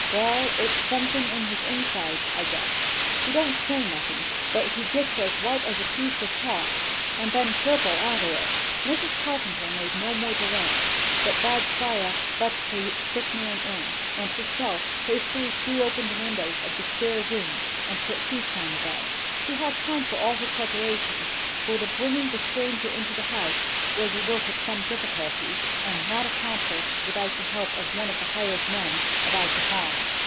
"Wall, it's sunthin' in his insides, I guess. He don't say nothin', but he gits as white as a piece o' chalk, and then purple arter it." Mrs. Carpenter made no more delay, but bade 'Siah fetch the sick man in; and herself hastily threw open the windows of the "spare room" and put sheets on the bed. She had time for all her preparations, for the bringing the stranger to the house was a work of some difficulty, and not accomplished without the help of one of the hired men about the farm.